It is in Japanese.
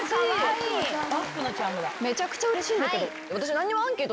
めちゃくちゃうれしいんだけど。